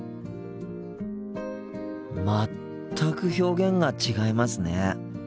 全く表現が違いますね。